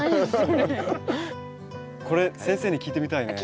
これ先生に聞いてみたいね。